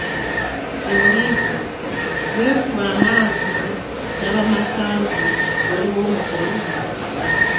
Nze buli we nkuba amaaso ndaba makanzu, waliwo omukolo?